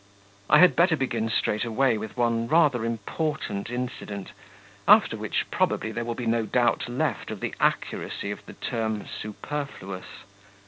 I had better begin straight away with one rather important incident, after which probably there will be no doubt left of the accuracy of the term superfluous.